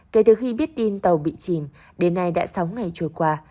kể từ khi biết tin tàu bị chìm đến nay đã sáu ngày trôi qua